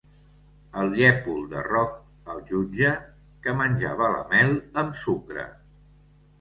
El llépol de Roc el jutge, que menjava la mel amb sucre.